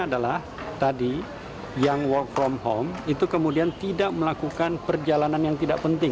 adalah tadi yang work from home itu kemudian tidak melakukan perjalanan yang tidak penting